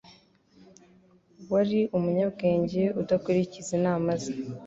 Wari umunyabwenge udakurikiza inama ze